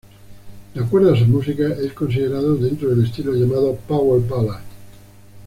De acuerdo a su música, es considerada dentro del estilo llamado "power ballad".